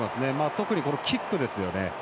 特にキックですよね。